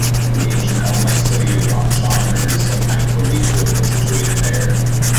The ancient Elamite city of Anshan is sometimes believed to have been situated there.